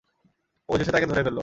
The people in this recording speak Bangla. অবশেষে তাঁকে ধরে ফেলল।